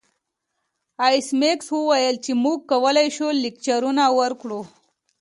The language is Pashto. ایس میکس وویل چې موږ کولی شو لکچرونه ورکړو